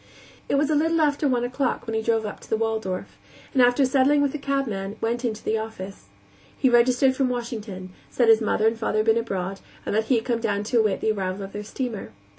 It was a little after one o'clock when he drove up to the Waldorf, and after settling with the cabman, went into the office. He registered from Washington; said his mother and father had been abroad, and that he had come down to await the arrival of their steamer.